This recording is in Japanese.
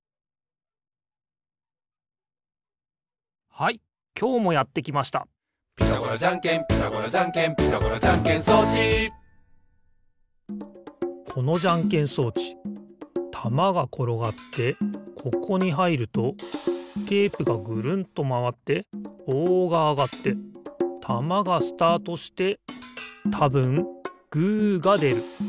はいきょうもやってきました「ピタゴラじゃんけんピタゴラじゃんけん」「ピタゴラじゃんけん装置」このじゃんけん装置たまがころがってここにはいるとテープがぐるんとまわってぼうがあがってたまがスタートしてたぶんグーがでる。